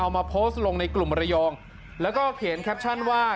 มาโพสต์ลงในกลุ่มระยองแล้วก็เขียนแคปชั่นว่า